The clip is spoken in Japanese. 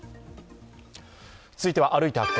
続いては「歩いて発見！